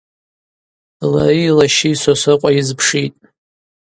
Лари лащи Сосрыкъва йызпшитӏ.